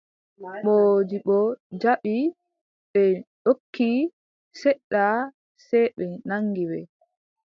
Moodibbo jaɓi, ɓe ndokki, seɗɗa sey ɓe naŋgi ɓe.